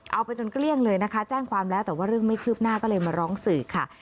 เอาไปจนเกลี้ยงเลยนะคะแจ้งความแล้วแต่ว่าเรื่องไม่คืบหน้าก็เลยมาร้องสื่อค่ะ